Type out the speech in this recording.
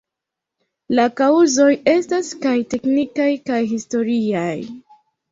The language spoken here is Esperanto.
La kaŭzoj estas kaj teknikaj kaj historiaj.